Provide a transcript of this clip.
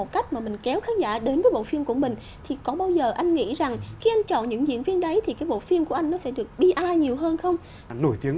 cái việc mình chọn những cái diễn viên nổi tiếng